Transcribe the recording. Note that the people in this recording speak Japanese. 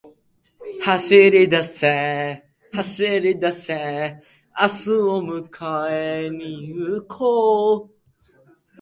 走りだせ、走りだせ、明日を迎えに行こう